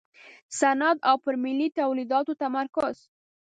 صنعت او پر ملي تولیداتو تمرکز.